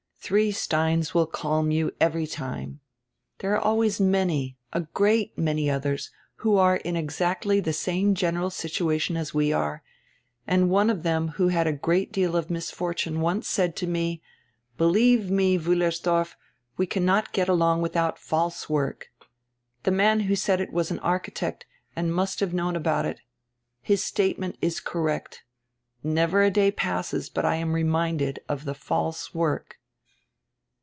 Three steins will calm you every time. There are always many, a great many others, who are in exactly die same general situation as we are, and one of diem who had had a great deal of misfortune once said to me: 'Believe me, Wullersdorf, we cannot get along without "false work.'" The man who said it was an architect and must have known about it. His statement is correct Never a day passes but I am reminded of die 'false work.'"